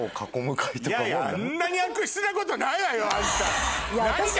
いやいやあんなに悪質なことないわよあんた。